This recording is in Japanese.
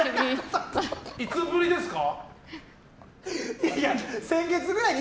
いつぶりですか？